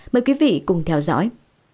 mời quý vị cùng theo dõi